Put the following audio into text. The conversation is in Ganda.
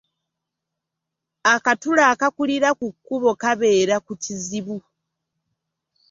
Akatula akakulira ku kkubo kabeera ku kizibu.